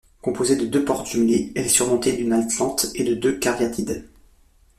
Composée de deux portes jumelées, elle est surmontée d’un atlante et de deux cariatides.